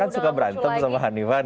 kan suka berantem sama hanifan